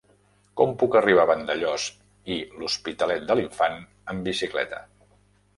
Com puc arribar a Vandellòs i l'Hospitalet de l'Infant amb bicicleta?